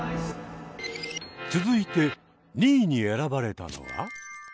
続いて２位に選ばれたのは？